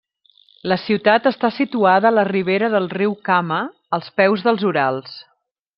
La ciutat està situada a la ribera del riu Kama, als peus dels Urals.